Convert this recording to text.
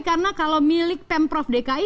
karena kalau milik pemprov dki